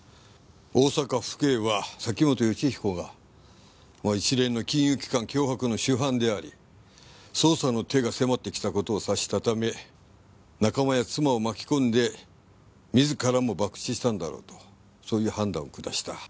大阪府警は崎本善彦が一連の金融機関脅迫の主犯であり捜査の手が迫ってきた事を察したため仲間や妻を巻き込んで自らも爆死したんだろうとそういう判断を下した。